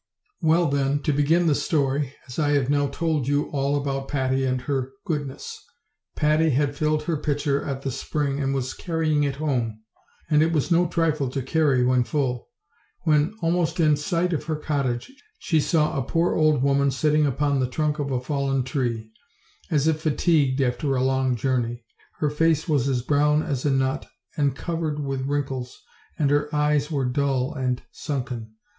Well, then, to begin the story, as I have now told you all about Patty and her goodness. Patty had filled her pitcher at the spring and was carrying it home (and it was no trifle to carry when full), when, almost in sight of her cottage, she saw a poor old woman sitting upon the trunk of a fallen tree, as if fatigued after a long jour ney. Her face was as brown as a nut and covered with wrinkles, and her eyes were dull and sunken.